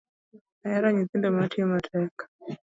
Ahero nyithindo matiyo matek